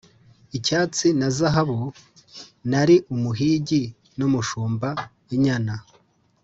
icyatsi na zahabu nari umuhigi n'umushumba, inyana